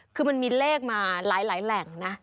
คือมันมีเลขมาหลายแหล่งนะ